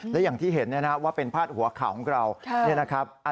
และอย่างที่เห็นว่าเป็นพาดหัวข่าวของเรา